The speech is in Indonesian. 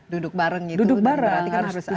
duduk bareng harus duduk bareng